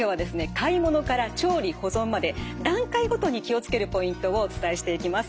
買い物から調理保存まで段階ごとに気を付けるポイントをお伝えしていきます。